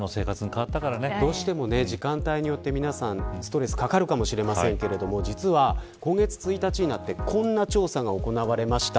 どうしても時間帯によってストレスかかるかもしれませんが実は今月１日にこんな調査が行われました。